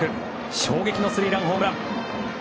衝撃のスリーランホームラン。